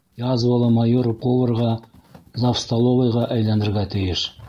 Язвалы майор поварға, завстоловыйға әйләнергә тейеш.